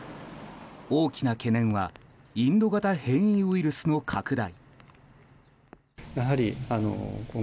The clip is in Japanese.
大きな懸念はインド型変異ウイルスの拡大。